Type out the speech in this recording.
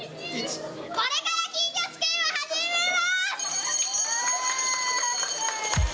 これから金魚すくいを始めます！